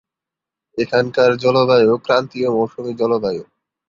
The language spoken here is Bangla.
এখানকার জলবায়ু ক্রান্তীয় মৌসুমি জলবায়ু।